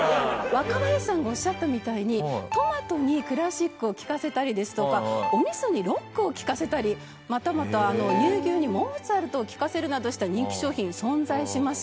若林さんがおっしゃったみたいにトマトにクラシックを聞かせたりですとかお味噌にロックを聞かせたりまたまた乳牛にモーツァルトを聞かせるなどした人気商品が存在します。